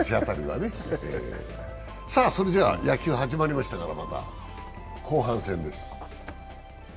野球始まりましたから、また後半戦です。